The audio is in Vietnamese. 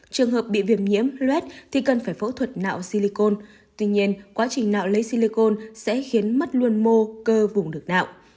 trường hợp bị viêm nhiễm luet thì cần phải phẫu thuật nạo silicon tuy nhiên quá trình nạo lấy silicon sẽ khiến mất luôn mô cơ vùng được nạo